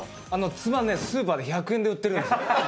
つまねスーパーで１００円で売ってるんですよ。